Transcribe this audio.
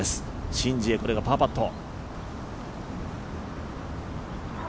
シン・ジエ、これがパーパット。